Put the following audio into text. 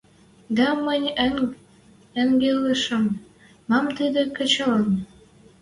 Дӓ мӹнь ынгылышым, мам тӹдӹ кӹчӓлӹн!